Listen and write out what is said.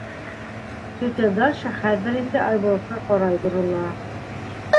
Тетя Даша хәҙер инде Айбулатҡа ҡарай борола: